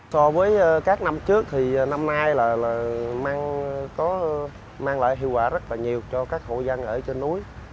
so với các năm trước thì năm nay là măng có mang lại hiệu quả rất là nhiều cho các hộ dân ở trên núi